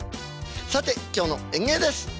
さて今日の演芸です。